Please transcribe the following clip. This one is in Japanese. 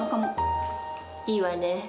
いいわね。